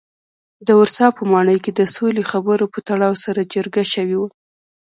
د ورسا په ماڼۍ کې د سولې خبرو په تړاو سره جرګه شوي وو.